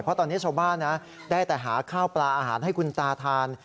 เพราะตอนนี้ชาวบ้านนะได้แต่หาข้าวปลาอาหารให้คุณตาทาน